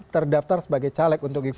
terdaftar sebagai caleg untuk